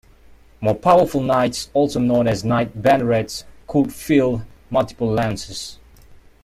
More powerful knights, also known as a knight bannerets, could field multiple lances.